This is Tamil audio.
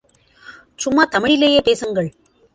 சும்மா தமிழிலேயே பேசுங்கள்.